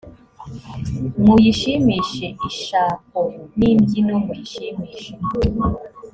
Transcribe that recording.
muyishimishe ishako n imbyino muyishimishe